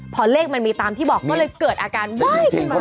พอเลขมันมีตามที่บอกก็เลยเกิดอาการไหว้ขึ้นมา